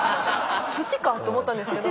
寿司か！と思ったんですけど。